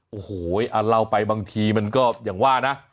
โอ้โหเล่าไปบางทีมันก็อย่างว่านะ